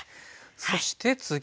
そして次は。